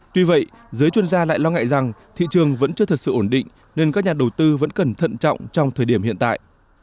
tuy vậy giới chuyên gia lại lo ngại rằng thị trường vẫn chưa thật sự ổn định nên các nhà đầu tư vẫn cần thận trọng trong thời điểm hiện tại